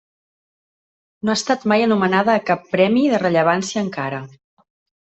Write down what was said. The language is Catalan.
No ha estat mai anomenada a cap premi de rellevància encara.